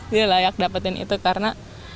dia layak dapetin itu karena